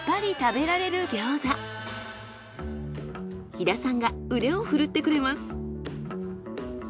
飛田さんが腕を振るってくれます。